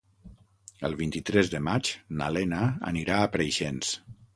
El vint-i-tres de maig na Lena anirà a Preixens.